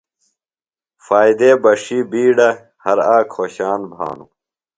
فائدے بݜیۡ بِیڈہ، ہر آک خوشان بھانوۡ